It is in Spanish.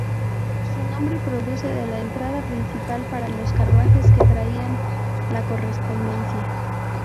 Su nombre procede de la entrada principal para los carruajes que traían la correspondencia.